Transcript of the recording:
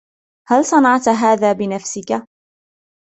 هل صنعت هذا بنفسك ؟